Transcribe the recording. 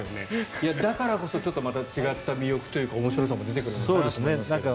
だからこそちょっとまた違った魅力というか面白さも出てくるのかなと。